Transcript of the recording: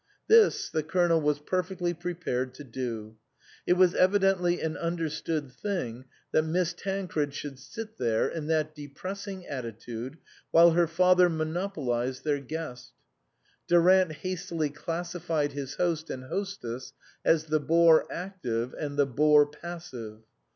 This the Colonel was perfectly prepared to do. It was evidently an understood thing that Miss Tancred should sit there, in that depressing attitude, while her father monopolised their guest. Durant hastily classified his host and hostess as the bore active and the bore passive.